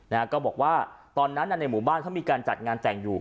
นะฮะก็บอกว่าตอนนั้นน่ะในหมู่บ้านเขามีการจัดงานแต่งอยู่